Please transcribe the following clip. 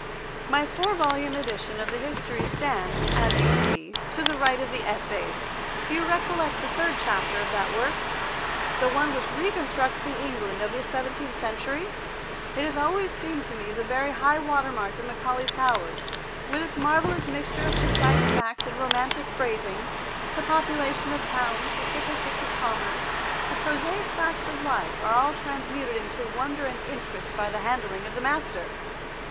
My four volume edition of the History stands, as you see, to the right of the Essays. Do you recollect the third chapter of that work—the one which reconstructs the England of the seventeenth century? It has always seemed to me the very high water mark of Macaulay's powers, with its marvellous mixture of precise fact and romantic phrasing. The population of towns, the statistics of commerce, the prosaic facts of life are all transmuted into wonder and interest by the handling of the master.